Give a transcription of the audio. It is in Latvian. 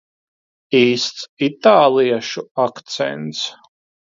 Īsts itāliešu akcents.